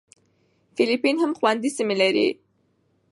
فېلېپین هم خوندي سیمې لري.